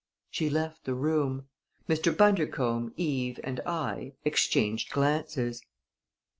She left the room. Mr. Bundercombe, Eve, and I exchanged glances.